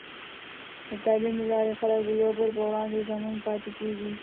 د تعلیم له لارې، خلک د یو بل پر وړاندې ژمن پاتې کېږي.